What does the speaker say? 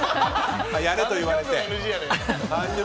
やれと言われてね。